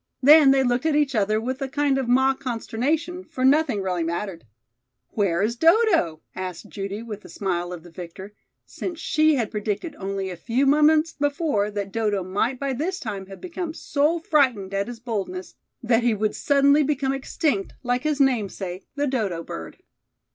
Then they looked at each other with a kind of mock consternation, for nothing really mattered. "Where is Dodo?" asked Judy, with the smile of the victor, since she had predicted only a few moments before that Dodo might by this time have become so frightened at his boldness that he would suddenly become extinct like his namesake, the dodo bird.